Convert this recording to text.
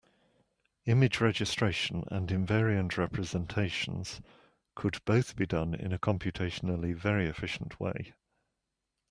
Image registration and invariant representations could both be done in a computationally very efficient way.